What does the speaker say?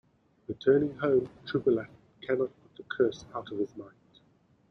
Returning home, Triboulet cannot put the curse out of his mind.